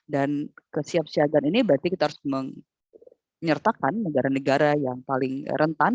dan kesiapsiagaan ini berarti kita harus menyertakan negara negara yang paling rentan